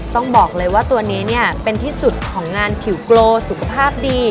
ต้องบอกเลยว่าตัวนี้เนี่ยเป็นที่สุดของงานผิวโกสุขภาพดี